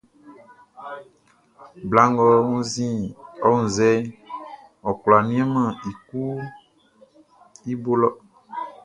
Bla ngʼɔ wunnzɛʼn, ɔ kwlá nianmɛn i kuanʼn i bo lɔ.